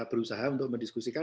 berusaha untuk mendiskusikan